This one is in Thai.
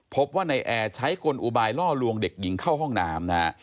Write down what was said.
พบว่านายแอร์ใช้กลอุบายล่อลวงเด็กหญิงเข้าห้องน้ำนะฮะ